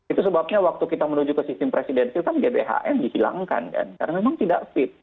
itu sebabnya waktu kita menuju ke sistem presidensil kan gbhn dihilangkan kan karena memang tidak fit